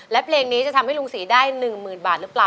และเพลงนี้จะทำให้ลุงศรีได้๑๐๐๐บาทหรือเปล่า